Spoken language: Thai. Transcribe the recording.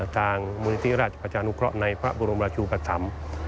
ทางมูลนิติราชประชานุกะในพระบุรุมราชูประธรรม